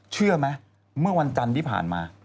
เชื่อไหมเมื่อวันจันทร์ที่ผ่านมา